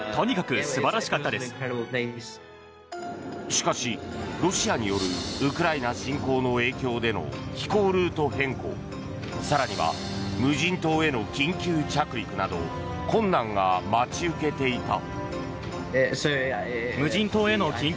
しかし、ロシアによるウクライナ侵攻の影響での飛行ルート変更更には無人島への緊急着陸など困難が待ち受けていた。